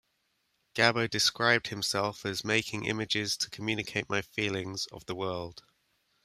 Gabo described himself as making images to communicate my feelings of the world.